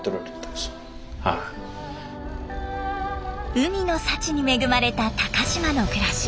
海の幸に恵まれた高島の暮らし。